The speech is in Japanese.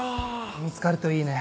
見つかるといいね。